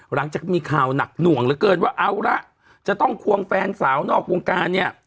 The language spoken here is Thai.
หลังจากมีข่าวหนักหน่วงเหลือเกินว่าเอาละจะต้องควงแฟนสาวนอกวงการเนี่ย